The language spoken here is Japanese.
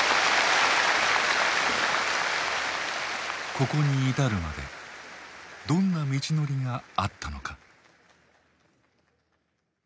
ここに至るまでどんな道のりがあったのか。